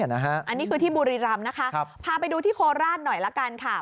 อันนี้คือที่บุรีรำนะคะพาไปดูที่โคราชหน่อยละกันค่ะ